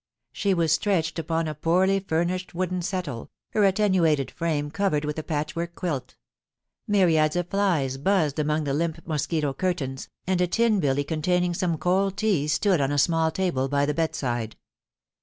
She was stretched upon a poorly furnished wooden settle, her attenuated frame covered with a patchwork quilt Myriads of flies buzzed among the limp mosquito curtains, and a tin billy containing some cold tea stood on a small table by the bed side.